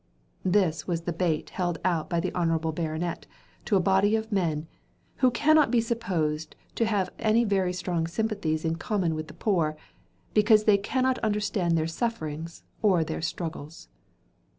This was the bait held out by the Hon. Baronet to a body of men, who cannot be supposed to have any very strong sympathies in common with the poor, because they cannot understand their sufferings or their struggles.